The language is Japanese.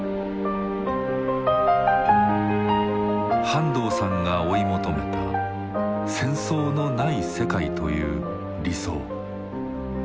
半藤さんが追い求めた「戦争のない世界」という理想。